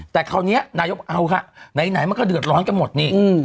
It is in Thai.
แต่คราวนี้นายกเอาค่ะไหนมันก็เดือดร้อนกันหมดนี่